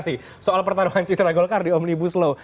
soal pertaruhan citra golkar di omnibus law